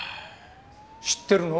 知ってるの？